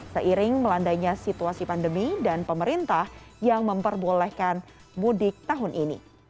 seiring melandainya situasi pandemi dan pemerintah yang memperbolehkan mudik tahun ini